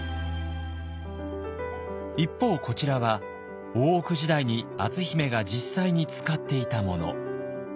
一方こちらは大奥時代に篤姫が実際に使っていたもの。